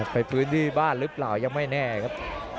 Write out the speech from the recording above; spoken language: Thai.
ไปพื้นที่บ้านหรือเปล่ายังไม่แน่ครับ